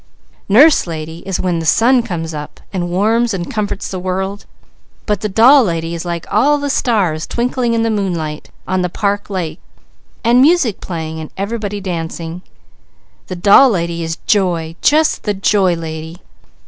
Nurse Lady is when the sun comes up, and warms and comforts the world; but the doll lady is like all the stars twinkling in the moonlight on the park lake, and music playing, and everybody dancing. The doll lady is joy, just the Joy Lady.